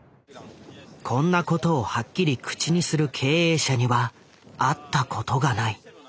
「こんなことをはっきり口にする経営者には会ったことがない」。